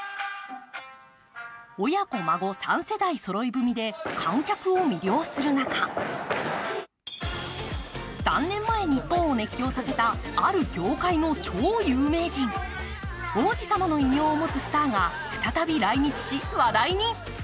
親子・孫３世代そろい踏みで観客を魅了する中、３年前、日本を魅了したある業界の超有名人、王子様の異名を持つスターが再び来日し、話題に。